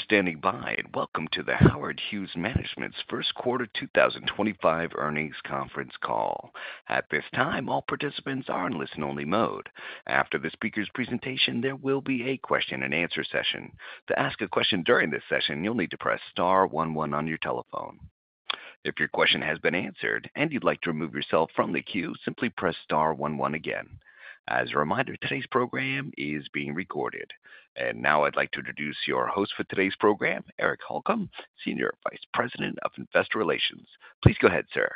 Thank you for standing by, and welcome to the Howard Hughes Holdings First Quarter 2025 Earnings Conference call. At this time, all participants are in listen-only mode. After the speaker's presentation, there will be a question-and-answer session. To ask a question during this session, you'll need to press star one one on your telephone. If your question has been answered and you'd like to remove yourself from the queue, simply press star one one again. As a reminder, today's program is being recorded. Now I'd like to introduce your host for today's program, Eric Holcomb, Senior Vice President of Investor Relations. Please go ahead, sir.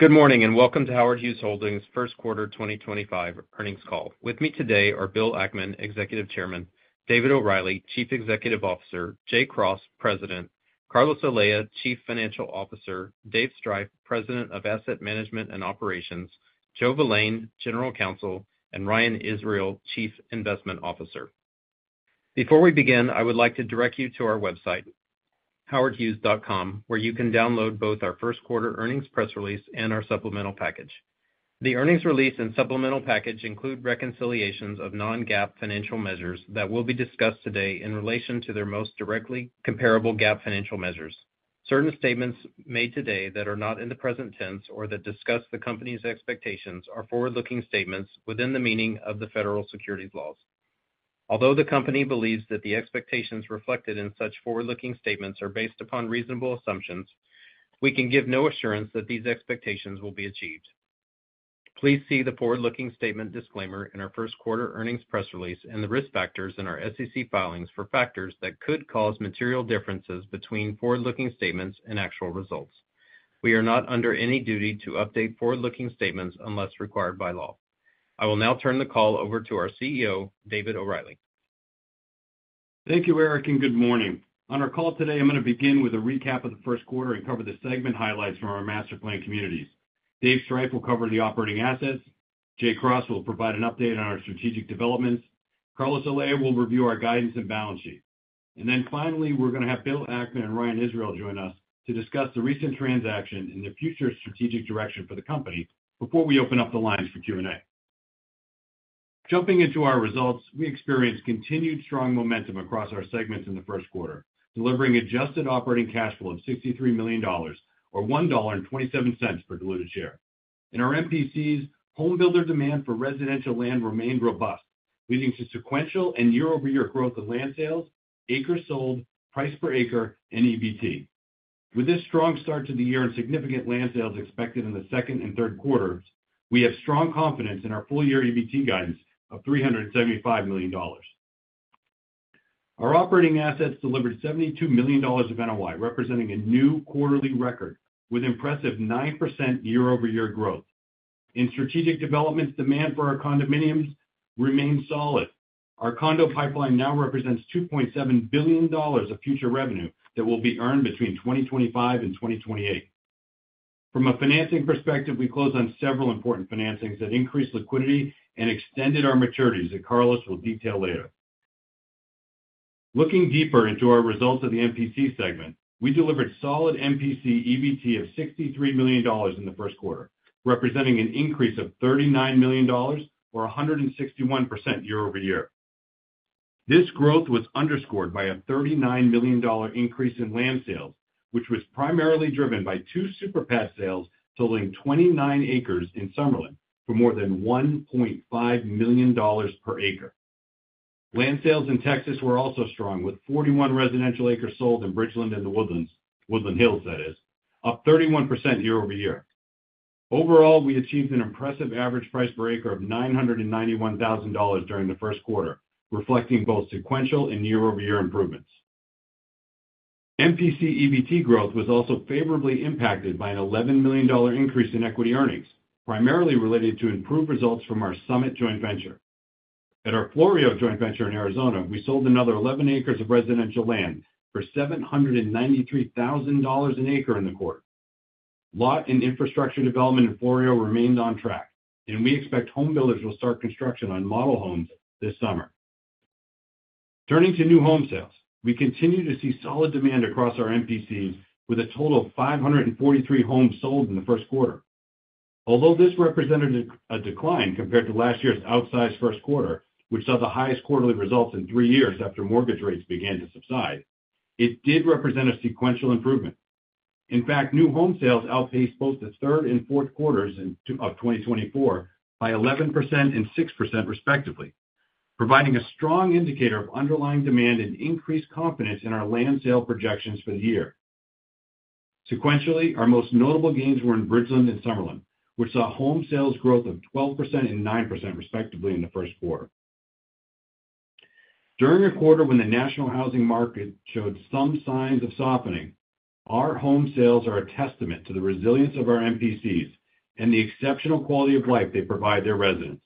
Good morning and welcome to Howard Hughes Holdings' First Quarter 2025 Earnings Call. With me today are Bill Ackman, Executive Chairman; David O'Reilly, Chief Executive Officer; Jay Cross, President; Carlos Olea, Chief Financial Officer; Dave Striph, President of Asset Management and Operations; Joe Valane, General Counsel; and Ryan Israel, Chief Investment Officer. Before we begin, I would like to direct you to our website, howardhughes.com, where you can download both our First Quarter Earnings Press Release and our Supplemental Package. The earnings release and supplemental package include reconciliations of non-GAAP financial measures that will be discussed today in relation to their most directly comparable GAAP financial measures. Certain statements made today that are not in the present tense or that discuss the company's expectations are forward-looking statements within the meaning of the federal securities laws. Although the company believes that the expectations reflected in such forward-looking statements are based upon reasonable assumptions, we can give no assurance that these expectations will be achieved. Please see the forward-looking statement disclaimer in our First Quarter Earnings Press Release and the risk factors in our SEC filings for factors that could cause material differences between forward-looking statements and actual results. We are not under any duty to update forward-looking statements unless required by law. I will now turn the call over to our CEO, David O'Reilly. Thank you, Eric, and good morning. On our call today, I'm going to begin with a recap of the first quarter and cover the segment highlights from our master planned communities. Dave Striph will cover the operating assets. Jay Cross will provide an update on our strategic developments. Carlos Olea will review our guidance and balance sheet. Finally, we're going to have Bill Ackman and Ryan Israel join us to discuss the recent transaction and in the future strategic direction for the company before we open up the lines for Q&A. Jumping into our results, we experienced continued strong momentum across our segments in the first quarter, delivering adjusted operating cash flow of $63 million, or $1.27 per diluted share. In our MPCs, homebuilder demand for residential land remained robust, leading to sequential and year-over-year growth in land sales, acres sold, price per acre, and EBT. With this strong start to the year and significant land sales expected in the second and third quarters, we have strong confidence in our full-year EBT guidance of $375 million. Our operating assets delivered $72 million of NOI, representing a new quarterly record with impressive 9% year-over-year growth. In strategic developments, demand for our condominiums remained solid. Our condo pipeline now represents $2.7 billion of future revenue that will be earned between 2025 and 2028. From a financing perspective, we closed on several important financings that increased liquidity and extended our maturities that Carlos will detail later. Looking deeper into our results of the MPC segment, we delivered solid MPC EBT of $63 million in the first quarter, representing an increase of $39 million, or 161% year-over-year. This growth was underscored by a $39 million increase in land sales, which was primarily driven by two super pad sales totaling 29 acres in Summerlin for more than $1.5 million per acre. Land sales in Texas were also strong, with 41 residential acres sold in Bridgeland and the Woodland Hills, that is, up 31% year-over-year. Overall, we achieved an impressive average price per acre of $991,000 during the first quarter, reflecting both sequential and year-over-year improvements. MPC EBT growth was also favorably impacted by an $11 million increase in equity earnings, primarily related to improved results from our Summit joint venture. At our Florio joint venture in Arizona, we sold another 11 acres of residential land for $793,000 an acre in the quarter. Lot and infrastructure development in Florio remained on track, and we expect homebuilders will start construction on model homes this summer. Turning to new home sales, we continue to see solid demand across our MPCs with a total of 543 homes sold in the first quarter. Although this represented a decline compared to last year's outsized first quarter, which saw the highest quarterly results in three years after mortgage rates began to subside, it did represent a sequential improvement. In fact, new home sales outpaced both the third and fourth quarters of 2024 by 11% and 6%, respectively, providing a strong indicator of underlying demand and increased confidence in our land sale projections for the year. Sequentially, our most notable gains were in Bridgeland and Summerlin, which saw home sales growth of 12% and 9%, respectively, in the first quarter. During a quarter when the national housing market showed some signs of softening, our home sales are a testament to the resilience of our MPCs and the exceptional quality of life they provide their residents.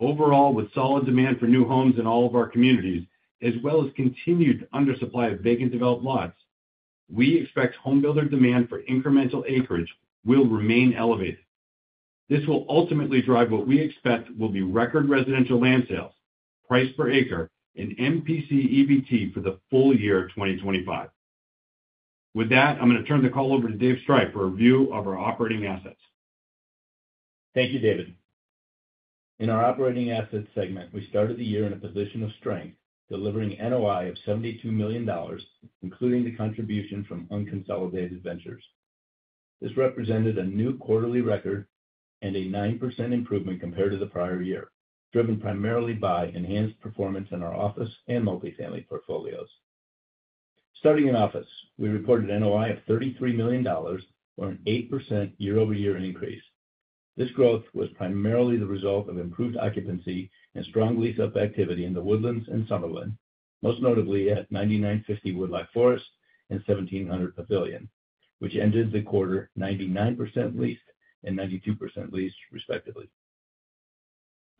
Overall, with solid demand for new homes in all of our communities, as well as continued undersupply of vacant developed lots, we expect homebuilder demand for incremental acreage will remain elevated. This will ultimately drive what we expect will be record residential land sales, price per acre, and MPC EBT for the full year of 2025. With that, I'm going to turn the call over to Dave Striph for a review of our operating assets. Thank you, David. In our operating assets segment, we started the year in a position of strength, delivering NOI of $72 million, including the contribution from unconsolidated ventures. This represented a new quarterly record and a 9% improvement compared to the prior year, driven primarily by enhanced performance in our office and multifamily portfolios. Starting in office, we reported NOI of $33 million, or an 8% year-over-year increase. This growth was primarily the result of improved occupancy and strong lease-up activity in The Woodlands and Summerlin, most notably at 9950 Woodloch Forest and 1700 Pavilion, which ended the quarter 99% leased and 92% leased, respectively.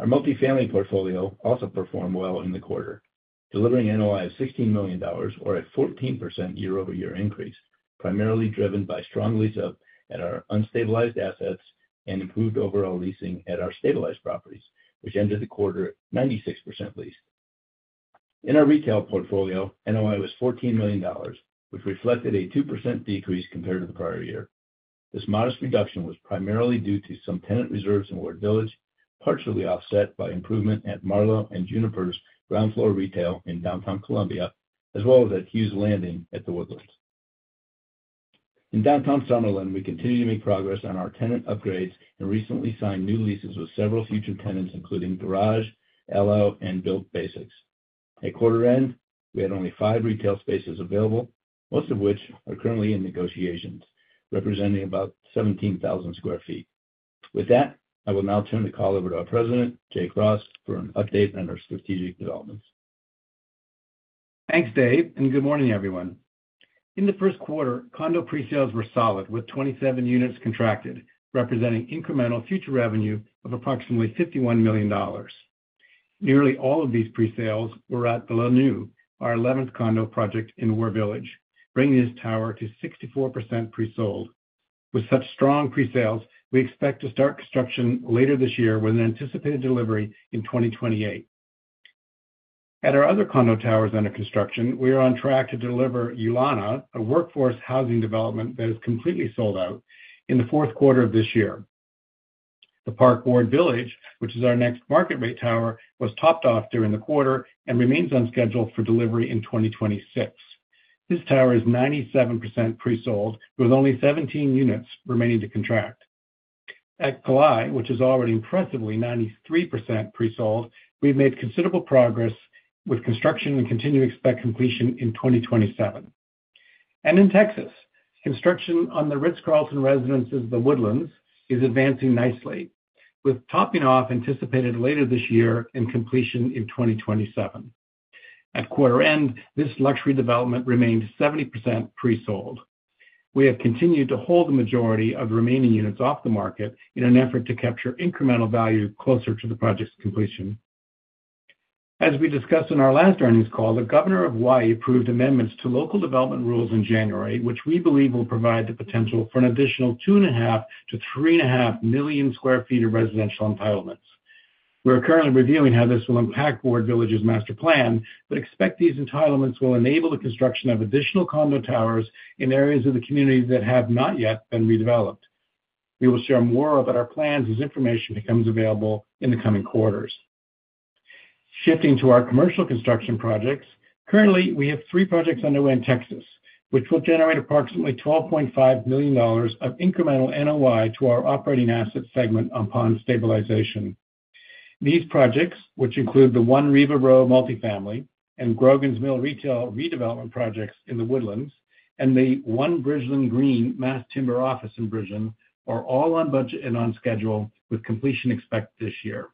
Our multifamily portfolio also performed well in the quarter, delivering NOI of $16 million, or a 14% year-over-year increase, primarily driven by strong lease-up at our unstabilized assets and improved overall leasing at our stabilized properties, which ended the quarter 96% leased. In our retail portfolio, NOI was $14 million, which reflected a 2% decrease compared to the prior year. This modest reduction was primarily due to some tenant reserves in Ward Village, partially offset by improvement at Marlowe and Juniper's ground floor retail in Downtown Columbia, as well as at Hughes Landing at The Woodlands. In Downtown Summerlin, we continued to make progress on our tenant upgrades and recently signed new leases with several future tenants, including Garage, L.O., and Built Basics. At quarter end, we had only five retail spaces available, most of which are currently in negotiations, representing about 17,000 sq ft. With that, I will now turn the call over to our President, Jay Cross, for an update on our strategic developments. Thanks, Dave, and good morning, everyone. In the first quarter, condo pre-sales were solid, with 27 units contracted, representing incremental future revenue of approximately $51 million. Nearly all of these pre-sales were at the La Nu, our 11th condo project in Ward Village, bringing this tower to 64% pre-sold. With such strong pre-sales, we expect to start construction later this year, with an anticipated delivery in 2028. At our other condo towers under construction, we are on track to deliver Ulana Ward Village, a workforce housing development that is completely sold out in the fourth quarter of this year. The Park Ward Village, which is our next market-rate tower, was topped off during the quarter and remains on schedule for delivery in 2026. This tower is 97% pre-sold, with only 17 units remaining to contract. At Calais, which is already impressively 93% pre-sold, we have made considerable progress with construction and continue to expect completion in 2027. In Texas, construction on the Ritz-Carlton residences in The Woodlands is advancing nicely, with topping off anticipated later this year and completion in 2027. At quarter end, this luxury development remained 70% pre-sold. We have continued to hold the majority of the remaining units off the market in an effort to capture incremental value closer to the project's completion. As we discussed in our last earnings call, the governor of Hawaii approved amendments to local development rules in January, which we believe will provide the potential for an additional 2.5 million sq ft-3.5 million sq ft of residential entitlements. We are currently reviewing how this will impact Ward Village's master plan, but expect these entitlements will enable the construction of additional condo towers in areas of the community that have not yet been redeveloped. We will share more about our plans as information becomes available in the coming quarters. Shifting to our commercial construction projects, currently, we have three projects underway in Texas, which will generate approximately $12.5 million of incremental NOI to our operating asset segment upon stabilization. These projects, which include the One Riva Row multifamily and Grogan's Mill retail redevelopment projects in The Woodlands, and the One Bridgeland Green mass timber office in Bridgeland, are all on budget and on schedule, with completion expected this year.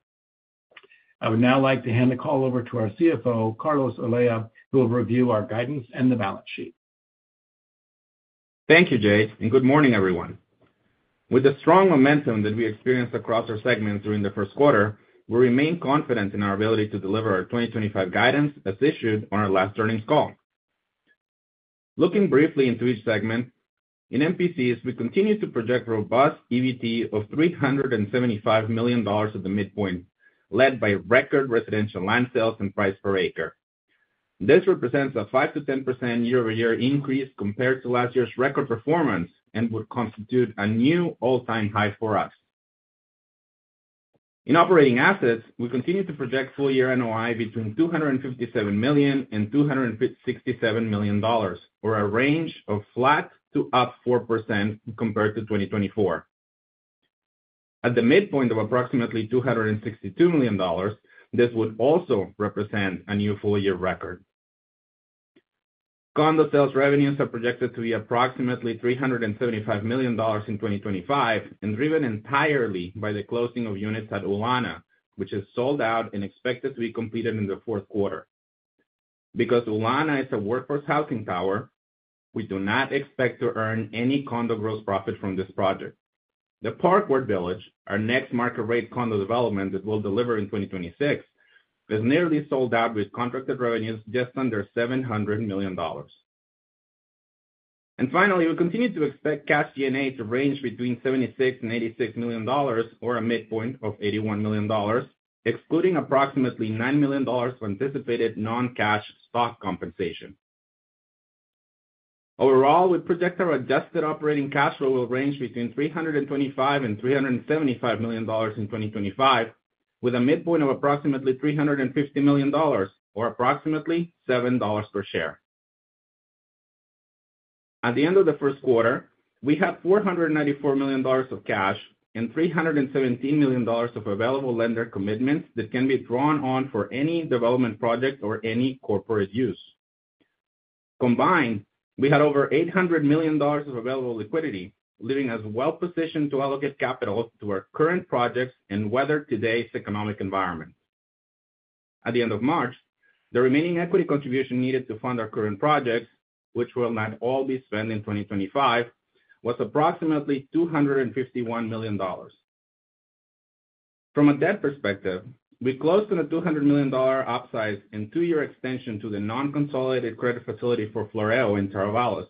I would now like to hand the call over to our CFO, Carlos Olea, who will review our guidance and the balance sheet. Thank you, Jay, and good morning, everyone. With the strong momentum that we experienced across our segments during the first quarter, we remain confident in our ability to deliver our 2025 guidance as issued on our last earnings call. Looking briefly into each segment, in MPCs, we continue to project robust EBT of $375 million at the midpoint, led by record residential land sales and price per acre. This represents a 5%-10% year-over-year increase compared to last year's record performance and would constitute a new all-time high for us. In operating assets, we continue to project full-year NOI between $257 million-$267 million, or a range of flat to up 4% compared to 2024. At the midpoint of approximately $262 million, this would also represent a new full-year record. Condo sales revenues are projected to be approximately $375 million in 2025 and driven entirely by the closing of units at Ulana, which is sold out and expected to be completed in the fourth quarter. Because Ulana is a workforce housing tower, we do not expect to earn any condo gross profit from this project. The Park Ward Village, our next market-rate condo development that will deliver in 2026, is nearly sold out with contracted revenues just under $700 million. Finally, we continue to expect cash DNA to range between $76 illion-$86 million, or a midpoint of $81 million, excluding approximately $9 million of anticipated non-cash stock compensation. Overall, we project our adjusted operating cash flow will range between $325 million-$375 million in 2025, with a midpoint of approximately $350 million, or approximately $7 per share. At the end of the first quarter, we have $494 million of cash and $317 million of available lender commitments that can be drawn on for any development project or any corporate use. Combined, we had over $800 million of available liquidity, leaving us well-positioned to allocate capital to our current projects and weather today's economic environment. At the end of March, the remaining equity contribution needed to fund our current projects, which will not all be spent in 2025, was approximately $251 million. From a debt perspective, we closed on a $200 million upside and two-year extension to the non-consolidated credit facility for Florio in Taravales.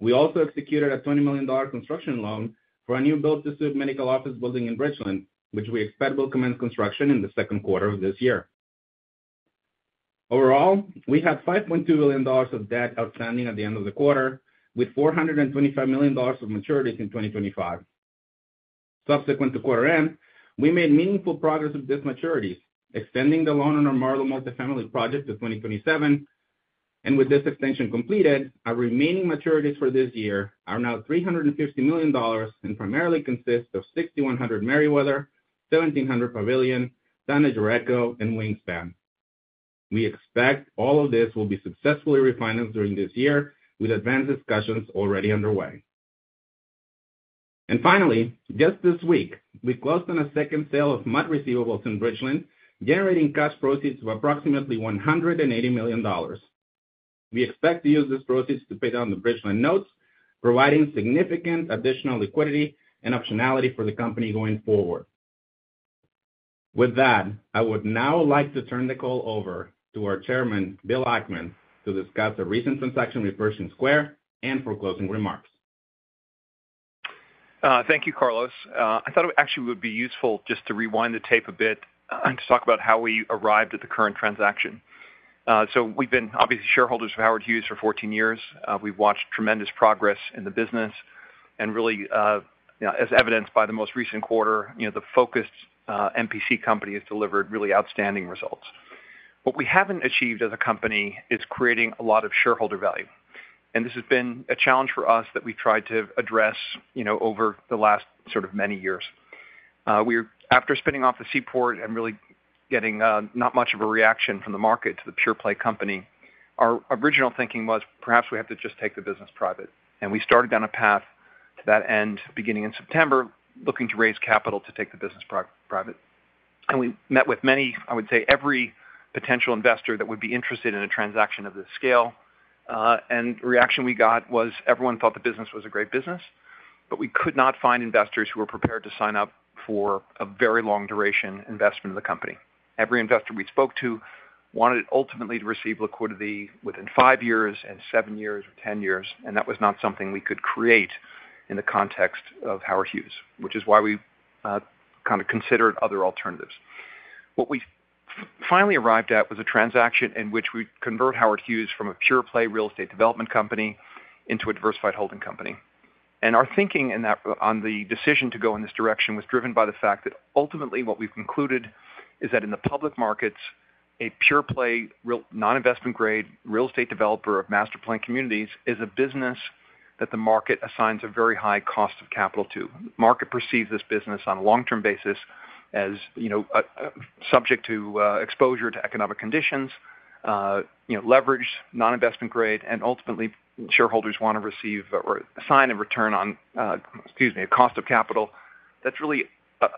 We also executed a $20 million construction loan for a new built-to-suit medical office building in Bridgeland, which we expect will commence construction in the second quarter of this year. Overall, we had $5.2 billion of debt outstanding at the end of the quarter, with $425 million of maturities in 2025. Subsequent to quarter end, we made meaningful progress with these maturities, extending the loan on our Marlowe multifamily project to 2027. With this extension completed, our remaining maturities for this year are now $350 million and primarily consist of 6100 Merriweather, 1700 Pavilion, Thunder Juraco, and Wingspan. We expect all of this will be successfully refinanced during this year, with advanced discussions already underway. Finally, just this week, we closed on a second sale of MUD receivables in Bridgeland, generating cash proceeds of approximately $180 million. We expect to use these proceeds to pay down the Bridgeland notes, providing significant additional liquidity and optionality for the company going forward. With that, I would now like to turn the call over to our Chairman, Bill Ackman, to discuss a recent transaction with Pershing Square Holdings Ltd and for closing remarks. Thank you, Carlos. I thought it actually would be useful just to rewind the tape a bit and to talk about how we arrived at the current transaction. We have been obviously shareholders of Howard Hughes for 14 years. We have watched tremendous progress in the business. Really, as evidenced by the most recent quarter, the focused MPC company has delivered really outstanding results. What we have not achieved as a company is creating a lot of shareholder value. This has been a challenge for us that we have tried to address over the last sort of many years. After spinning off the Seaport and really getting not much of a reaction from the market to the pure play company, our original thinking was perhaps we have to just take the business private. We started down a path to that end beginning in September, looking to raise capital to take the business private. We met with many, I would say, every potential investor that would be interested in a transaction of this scale. The reaction we got was everyone thought the business was a great business, but we could not find investors who were prepared to sign up for a very long-duration investment in the company. Every investor we spoke to wanted ultimately to receive liquidity within five years and seven years or ten years, and that was not something we could create in the context of Howard Hughes, which is why we kind of considered other alternatives. What we finally arrived at was a transaction in which we'd convert Howard Hughes from a pure play real estate development company into a diversified holding company. Our thinking on the decision to go in this direction was driven by the fact that ultimately what we've concluded is that in the public markets, a pure play non-investment-grade real estate developer of master planned communities is a business that the market assigns a very high cost of capital to. The market perceives this business on a long-term basis as subject to exposure to economic conditions, leveraged, non-investment-grade, and ultimately shareholders want to receive or assign a return on, excuse me, a cost of capital that's really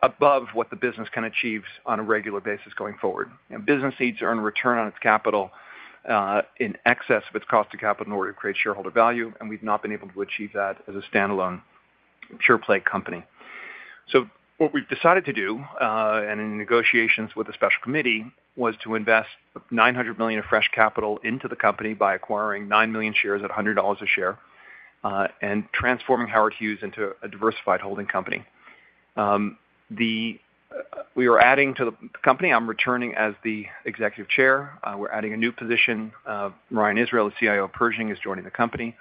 above what the business can achieve on a regular basis going forward. The business needs to earn a return on its capital in excess of its cost of capital in order to create shareholder value, and we've not been able to achieve that as a standalone pureplay company. What we have decided to do, in negotiations with the special committee, was to invest $900 million of fresh capital into the company by acquiring $9 million shares at $100 a share and transforming Howard Hughes into a diversified holding company. We are adding to the company. I am returning as the Executive Chair. We are adding a new position. Ryan Israel, the CIO of Pershing, is joining the company.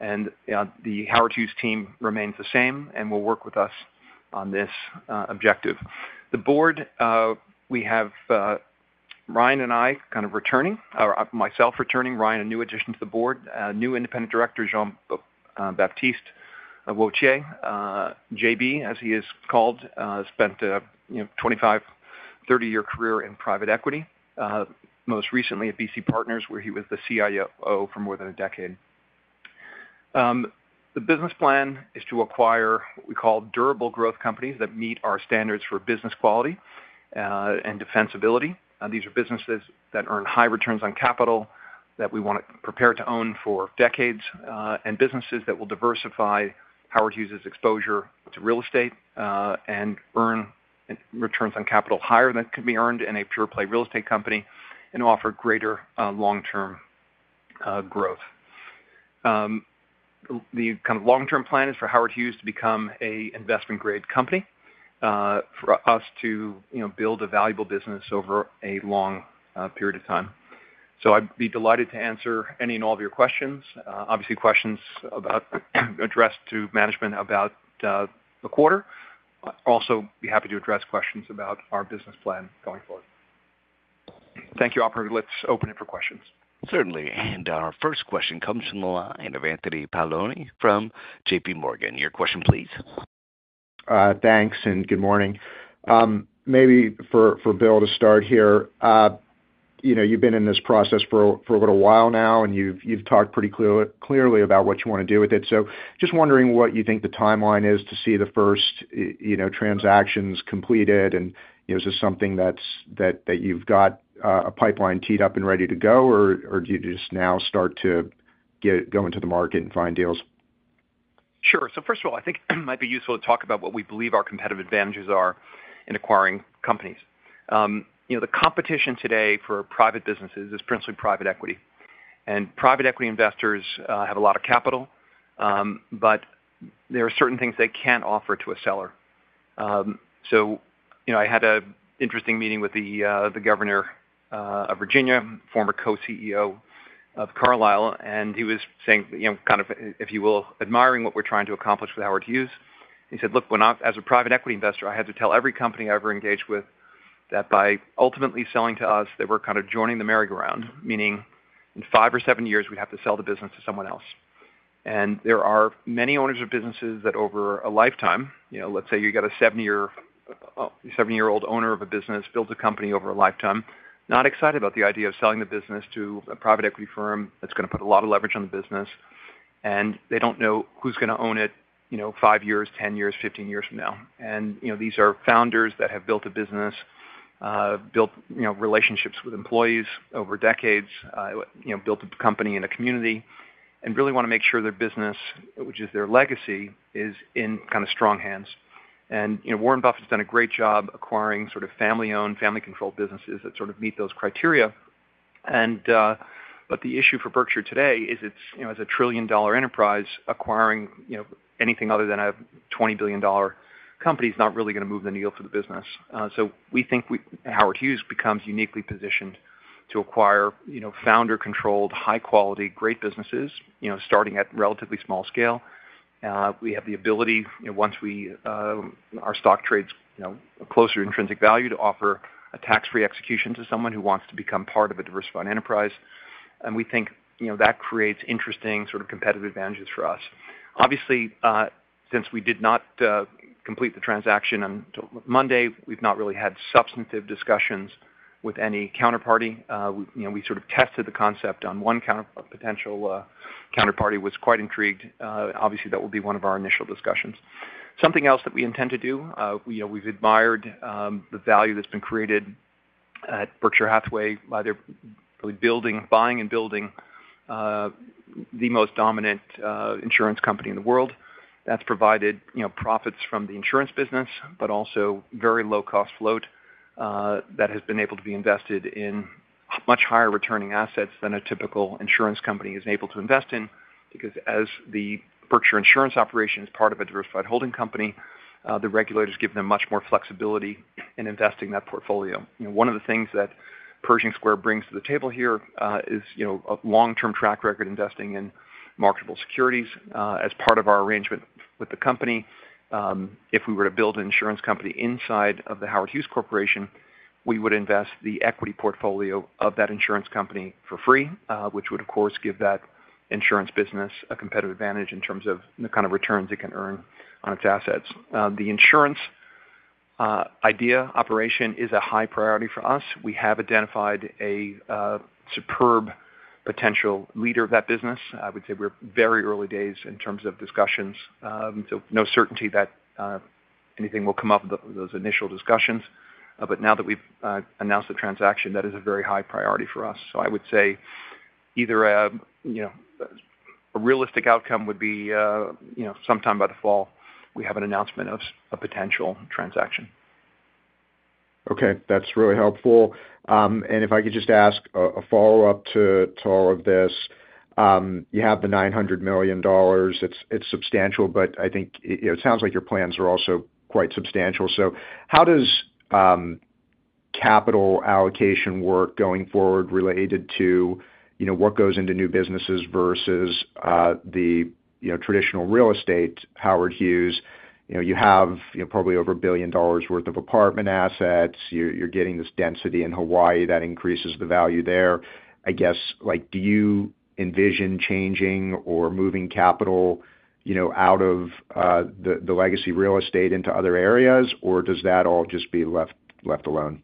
The Howard Hughes team remains the same and will work with us on this objective. The board, we have Ryan and I kind of returning, or myself returning, Ryan, a new addition to the board, a new independent director, Jean Baptiste Wauchier, J.B., as he is called, spent a 25 year-30-year career in private equity, most recently at BC Partners, where he was the CIO for more than a decade. The business plan is to acquire what we call durable growth companies that meet our standards for business quality and defensibility. These are businesses that earn high returns on capital that we want to prepare to own for decades and businesses that will diversify Howard Hughes' exposure to real estate and earn returns on capital higher than can be earned in a pureplay real estate company and offer greater long-term growth. The kind of long-term plan is for Howard Hughes to become an investment-grade company for us to build a valuable business over a long period of time. I would be delighted to answer any and all of your questions, obviously questions addressed to management about the quarter. Also, I would be happy to address questions about our business plan going forward. Thank you. I will put the lifts open for questions. Certainly. Our first question comes from the line of Anthony Pallone from JPMorgan. Your question, please. Thanks and good morning. Maybe for Bill to start here, you've been in this process for a little while now, and you've talked pretty clearly about what you want to do with it. Just wondering what you think the timeline is to see the first transactions completed. Is this something that you've got a pipeline teed up and ready to go, or do you just now start to go into the market and find deals? Sure. First of all, I think it might be useful to talk about what we believe our competitive advantages are in acquiring companies. The competition today for private businesses is principally private equity. Private equity investors have a lot of capital, but there are certain things they can't offer to a seller. I had an interesting meeting with the governor of Virginia, former co-CEO of Carlyle Group, and he was saying, kind of, if you will, admiring what we're trying to accomplish with Howard Hughes. He said, "Look, as a private equity investor, I had to tell every company I ever engaged with that by ultimately selling to us, they were kind of joining the merry-go-round, meaning in five or seven years, we'd have to sell the business to someone else." There are many owners of businesses that over a lifetime, let's say you've got a seventy-year-old owner of a business, builds a company over a lifetime, not excited about the idea of selling the business to a private equity firm that's going to put a lot of leverage on the business, and they don't know who's going to own it five years, ten years, fifteen years from now. These are founders that have built a business, built relationships with employees over decades, built a company in a community, and really want to make sure their business, which is their legacy, is in kind of strong hands. Warren Buffett's done a great job acquiring sort of family-owned, family-controlled businesses that sort of meet those criteria. The issue for Berkshire Hathaway today is it's a trillion-dollar enterprise. Acquiring anything other than a $20 billion company is not really going to move the needle for the business. We think Howard Hughes becomes uniquely positioned to acquire founder-controlled, high-quality, great businesses starting at relatively small scale. We have the ability, once our stock trades closer to intrinsic value, to offer a tax-free execution to someone who wants to become part of a diversified enterprise. We think that creates interesting sort of competitive advantages for us. Obviously, since we did not complete the transaction until Monday, we've not really had substantive discussions with any counterparty. We sort of tested the concept on one potential counterparty who was quite intrigued. Obviously, that will be one of our initial discussions. Something else that we intend to do, we've admired the value that's been created at Berkshire Hathaway by really buying and building the most dominant insurance company in the world. That's provided profits from the insurance business, but also very low-cost float that has been able to be invested in much higher returning assets than a typical insurance company is able to invest in. Because as the Berkshire insurance operation is part of a diversified holding company, the regulator has given them much more flexibility in investing that portfolio. One of the things that Pershing Square brings to the table here is a long-term track record investing in marketable securities. As part of our arrangement with the company, if we were to build an insurance company inside of the Howard Hughes Holdings, we would invest the equity portfolio of that insurance company for free, which would, of course, give that insurance business a competitive advantage in terms of the kind of returns it can earn on its assets. The insurance idea operation is a high priority for us. We have identified a superb potential leader of that business. I would say we're in very early days in terms of discussions. There is no certainty that anything will come up with those initial discussions. Now that we've announced the transaction, that is a very high priority for us. I would say either a realistic outcome would be sometime by the fall, we have an announcement of a potential transaction. Okay. That's really helpful. If I could just ask a follow-up to all of this, you have the $900 million. It's substantial, but I think it sounds like your plans are also quite substantial. How does capital allocation work going forward related to what goes into new businesses versus the traditional real estate? Howard Hughes, you have probably over a billion dollars' worth of apartment assets. You're getting this density in Hawaii that increases the value there. I guess, do you envision changing or moving capital out of the legacy real estate into other areas, or does that all just be left alone?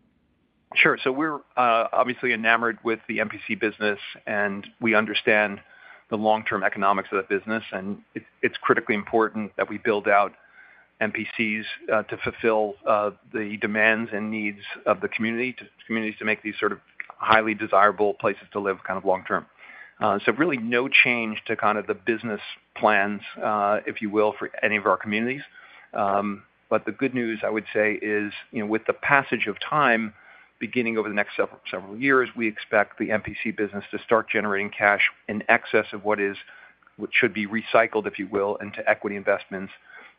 Sure. We are obviously enamored with the MPC business, and we understand the long-term economics of that business. It is critically important that we build out MPCs to fulfill the demands and needs of the communities to make these sort of highly desirable places to live kind of long-term. Really no change to the business plans, if you will, for any of our communities. The good news, I would say, is with the passage of time, beginning over the next several years, we expect the MPC business to start generating cash in excess of what should be recycled, if you will, into equity investments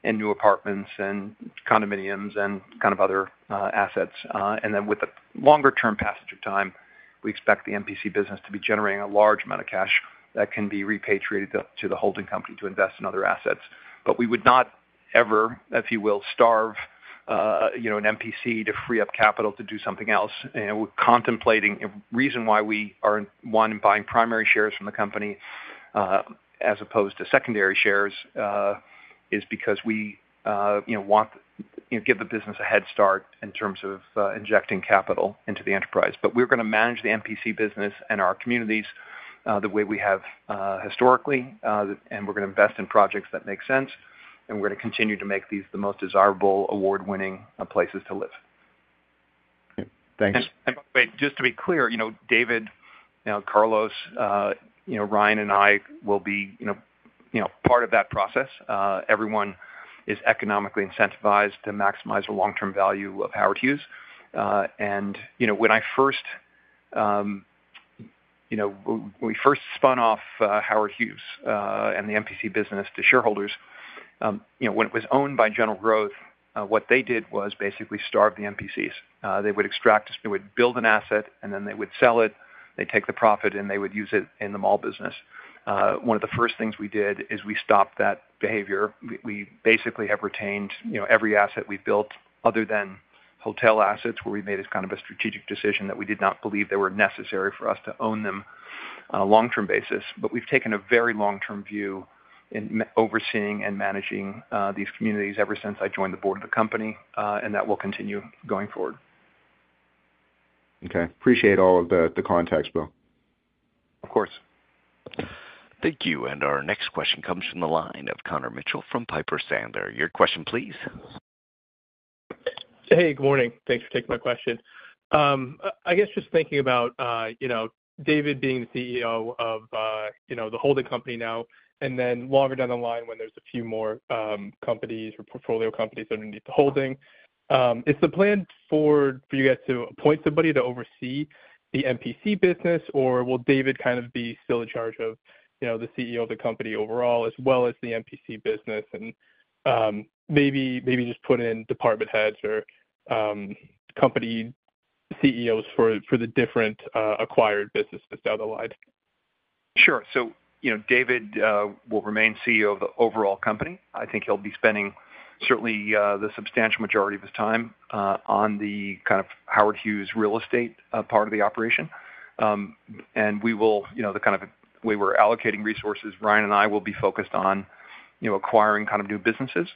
and new apartments and condominiums and other assets. With the longer-term passage of time, we expect the MPC business to be generating a large amount of cash that can be repatriated to the holding company to invest in other assets. We would not ever, if you will, starve an MPC to free up capital to do something else. We're contemplating a reason why we are, one, buying primary shares from the company as opposed to secondary shares is because we want to give the business a head start in terms of injecting capital into the enterprise. We're going to manage the MPC business and our communities the way we have historically, and we're going to invest in projects that make sense, and we're going to continue to make these the most desirable, award-winning places to live. Thanks. By the way, just to be clear, David, Carlos, Ryan, and I will be part of that process. Everyone is economically incentivized to maximize the long-term value of Howard Hughes. When I first spun off Howard Hughes and the MPC business to shareholders, when it was owned by General Growth Properties, what they did was basically starve the MPCs. They would extract, they would build an asset, and then they would sell it. They would take the profit, and they would use it in the mall business. One of the first things we did is we stopped that behavior. We basically have retained every asset we have built other than hotel assets, where we made kind of a strategic decision that we did not believe they were necessary for us to own them on a long-term basis. We have taken a very long-term view in overseeing and managing these communities ever since I joined the board of the company, and that will continue going forward. Okay. Appreciate all of the context, Bill. Of course. Thank you. Our next question comes from the line of Connor Mitchell from Piper Sandler Companies. Your question, please. Hey, good morning. Thanks for taking my question. I guess just thinking about David being the CEO of the holding company now, and then longer down the line when there's a few more companies or portfolio companies underneath the holding, is the plan for you guys to appoint somebody to oversee the MPC business, or will David kind of be still in charge of the CEO of the company overall, as well as the MPC business, and maybe just put in department heads or company CEOs for the different acquired businesses down the line? Sure. David will remain CEO of the overall company. I think he'll be spending certainly the substantial majority of his time on the kind of Howard Hughes real estate part of the operation. We will, the kind of way we're allocating resources, Ryan and I will be focused on acquiring kind of new businesses.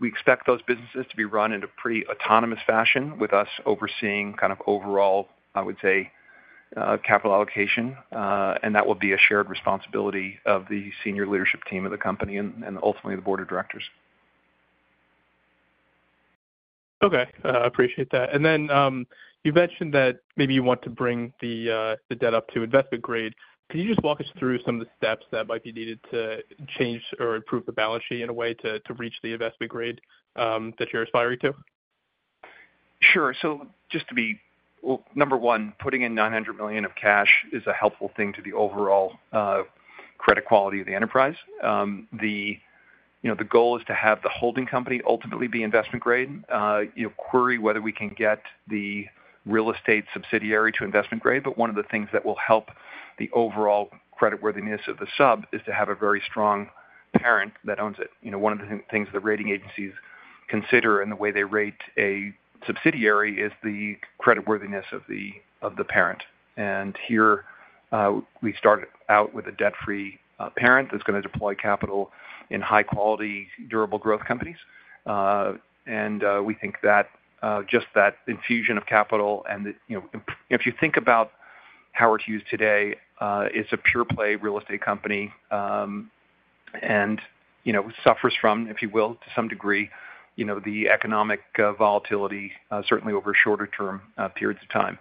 We expect those businesses to be run in a pretty autonomous fashion with us overseeing kind of overall, I would say, capital allocation. That will be a shared responsibility of the senior leadership team of the company and ultimately the board of directors. Okay. I appreciate that. You mentioned that maybe you want to bring the debt up to investment grade. Can you just walk us through some of the steps that might be needed to change or improve the balance sheet in a way to reach the investment grade that you're aspiring to? Sure. Just to be number one, putting in $900 million of cash is a helpful thing to the overall credit quality of the enterprise. The goal is to have the holding company ultimately be investment grade. Query whether we can get the real estate subsidiary to investment grade. One of the things that will help the overall creditworthiness of the sub is to have a very strong parent that owns it. One of the things the rating agencies consider in the way they rate a subsidiary is the creditworthiness of the parent. Here we started out with a debt-free parent that's going to deploy capital in high-quality, durable growth companies. We think that just that infusion of capital, and if you think about Howard Hughes today, it's a pure-play real estate company and suffers from, if you will, to some degree, the economic volatility certainly over shorter-term periods of time.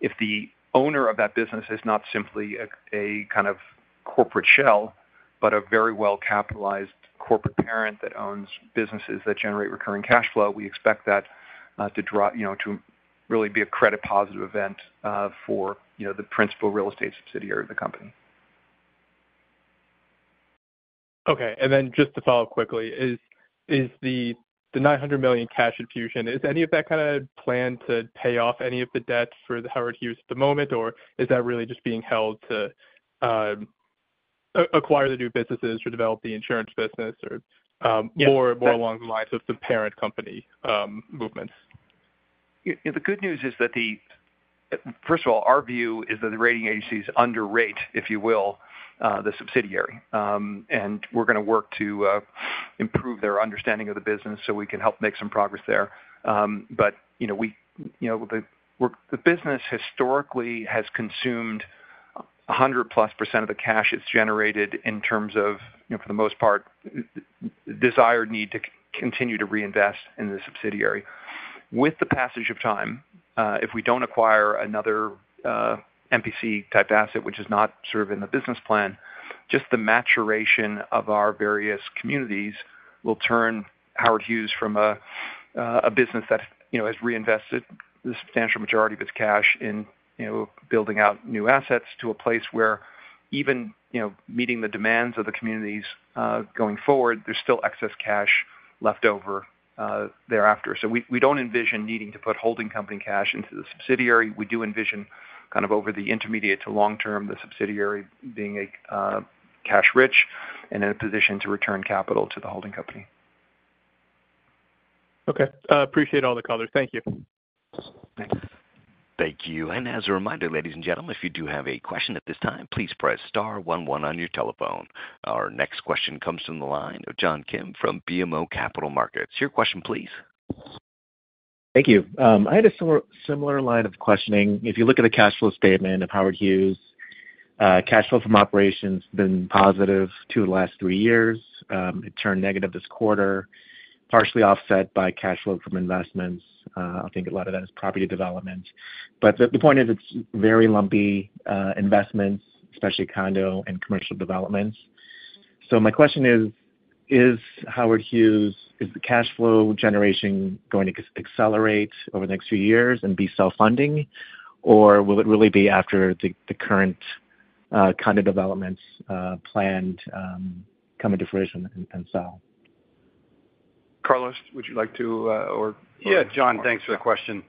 If the owner of that business is not simply a kind of corporate shell, but a very well-capitalized corporate parent that owns businesses that generate recurring cash flow, we expect that to really be a credit-positive event for the principal real estate subsidiary of the company. Okay. Just to follow up quickly, is the $900 million cash infusion, is any of that kind of planned to pay off any of the debt for Howard Hughes at the moment, or is that really just being held to acquire the new businesses or develop the insurance business or more along the lines of the parent company movements? The good news is that, first of all, our view is that the rating agencies underrate, if you will, the subsidiary. We are going to work to improve their understanding of the business so we can help make some progress there. The business historically has consumed 100-plus percent of the cash it has generated in terms of, for the most part, desired need to continue to reinvest in the subsidiary. With the passage of time, if we do not acquire another MPC-type asset, which is not sort of in the business plan, just the maturation of our various communities will turn Howard Hughes from a business that has reinvested the substantial majority of its cash in building out new assets to a place where, even meeting the demands of the communities going forward, there is still excess cash left over thereafter. We do not envision needing to put holding company cash into the subsidiary. We do envision, kind of over the intermediate to long term, the subsidiary being cash-rich and in a position to return capital to the holding company. Okay. Appreciate all the color. Thank you. Thank you. As a reminder, ladies and gentlemen, if you do have a question at this time, please press star 11 on your telephone. Our next question comes from the line of John Kim from BMO Capital Markets. Your question, please. Thank you. I had a similar line of questioning. If you look at the cash flow statement of Howard Hughes, cash flow from operations has been positive for the last three years. It turned negative this quarter, partially offset by cash flow from investments. I think a lot of that is property development. The point is it is very lumpy investments, especially condo and commercial developments. My question is, is Howard Hughes, is the cash flow generation going to accelerate over the next few years and be self-funding, or will it really be after the current condo developments planned come into fruition and sell? Carlos, would you like to? Yeah, John, thanks for the question.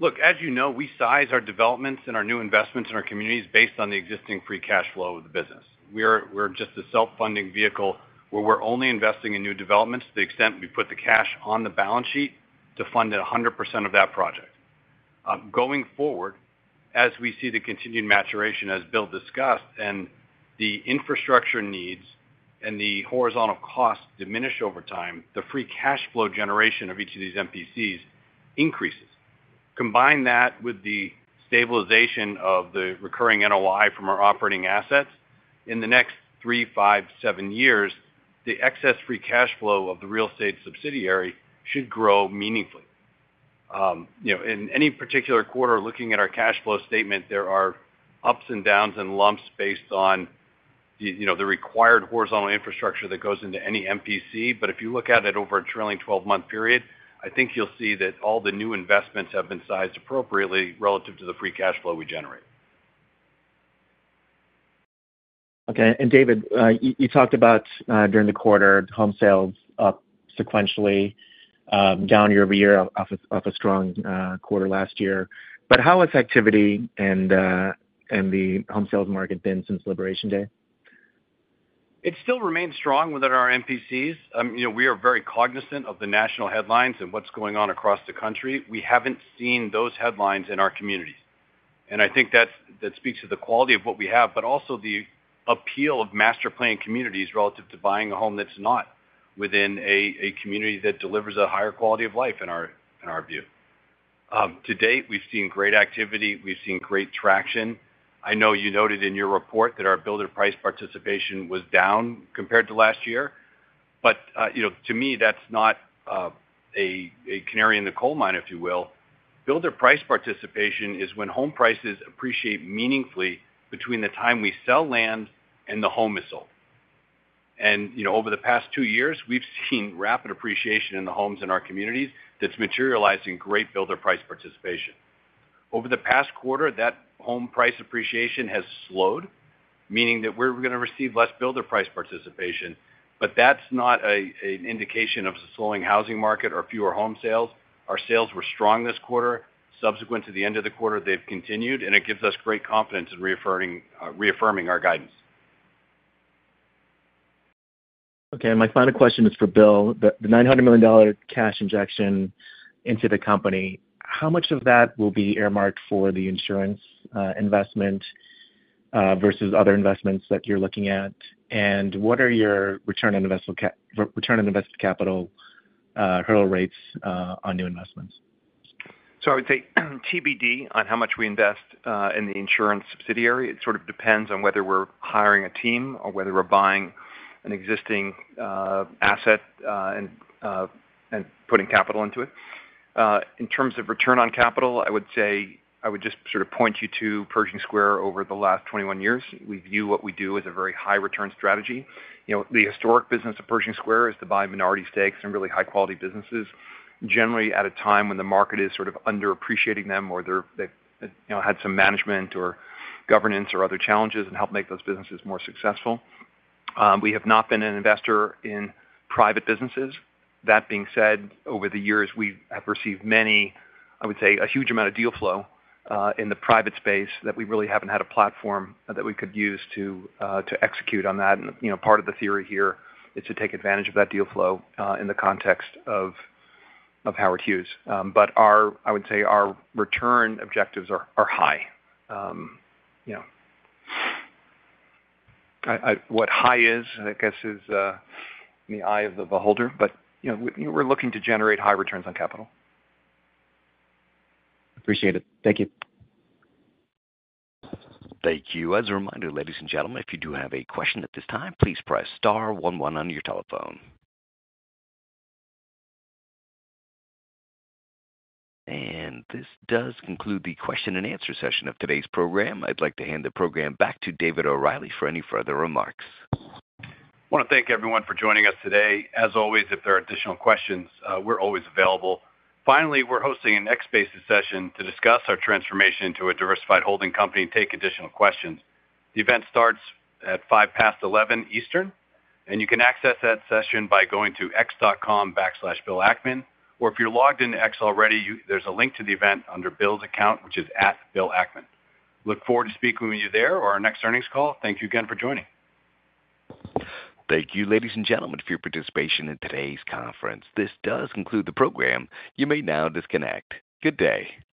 Look, as you know, we size our developments and our new investments in our communities based on the existing free cash flow of the business. We're just a self-funding vehicle where we're only investing in new developments to the extent we put the cash on the balance sheet to fund 100% of that project. Going forward, as we see the continued maturation, as Bill discussed, and the infrastructure needs and the horizontal costs diminish over time, the free cash flow generation of each of these MPCs increases. Combine that with the stabilization of the recurring NOI from our operating assets, in the next three, five, seven years, the excess free cash flow of the real estate subsidiary should grow meaningfully. In any particular quarter, looking at our cash flow statement, there are ups and downs and lumps based on the required horizontal infrastructure that goes into any MPC. If you look at it over a trailing 12-month period, I think you'll see that all the new investments have been sized appropriately relative to the free cash flow we generate. Okay. David, you talked about during the quarter, home sales up sequentially, down year over year off a strong quarter last year. How has activity and the home sales market been since Liberation Day? It still remains strong within our MPCs. We are very cognizant of the national headlines and what is going on across the country. We have not seen those headlines in our communities. I think that speaks to the quality of what we have, but also the appeal of master-planned communities relative to buying a home that is not within a community that delivers a higher quality of life in our view. To date, we have seen great activity. We have seen great traction. I know you noted in your report that our builder price participation was down compared to last year. To me, that is not a canary in the coal mine, if you will. Builder price participation is when home prices appreciate meaningfully between the time we sell land and the home is sold. Over the past two years, we've seen rapid appreciation in the homes in our communities that's materialized in great builder price participation. Over the past quarter, that home price appreciation has slowed, meaning that we're going to receive less builder price participation. That is not an indication of a slowing housing market or fewer home sales. Our sales were strong this quarter. Subsequent to the end of the quarter, they've continued, and it gives us great confidence in reaffirming our guidance. Okay. My final question is for Bill. The $900 million cash injection into the company, how much of that will be earmarked for the insurance investment versus other investments that you're looking at? What are your return on invested capital hurdle rates on new investments? I would say TBD on how much we invest in the insurance subsidiary. It sort of depends on whether we're hiring a team or whether we're buying an existing asset and putting capital into it. In terms of return on capital, I would say I would just sort of point you to Pershing Square over the last 21 years. We view what we do as a very high-return strategy. The historic business of Pershing Square is to buy minority stakes in really high-quality businesses, generally at a time when the market is sort of underappreciating them or they've had some management or governance or other challenges and help make those businesses more successful. We have not been an investor in private businesses. That being said, over the years, we have received many, I would say a huge amount of deal flow in the private space that we really have not had a platform that we could use to execute on that. Part of the theory here is to take advantage of that deal flow in the context of Howard Hughes. I would say our return objectives are high. What high is, I guess, is in the eye of the beholder, but we are looking to generate high returns on capital. Appreciate it. Thank you. Thank you. As a reminder, ladies and gentlemen, if you do have a question at this time, please press star one one on your telephone. This does conclude the question and answer session of today's program. I would like to hand the program back to David O'Reilly for any further remarks. I want to thank everyone for joining us today. As always, if there are additional questions, we're always available. Finally, we're hosting an X-Spaces session to discuss our transformation into a diversified holding company and take additional questions. The event starts at 11:05 A.M. Eastern. You can access that session by going to x.com/BillAckman. If you're logged into X already, there's a link to the event under Bill's account, which is @BillAckman. Look forward to speaking with you there or at our next earnings call. Thank you again for joining. Thank you, ladies and gentlemen, for your participation in today's conference. This does conclude the program. You may now disconnect. Good day.